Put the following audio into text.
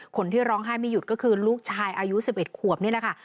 คนที่ร้องไห้ไม่หยุดก็คือลูกชายอายุ๑๑ขวบนี่แหละค่ะ